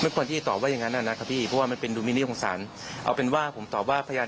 ก่อนที่ตอบว่ายังงั้นน่ะนะคะพี่มาเป็นลุ้มินิคทำสารเอาเป็นว่าผมตอบว่าพยายาม